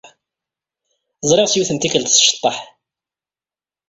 Ẓriɣ-tt yiwet n tikkelt tceṭṭeḥ.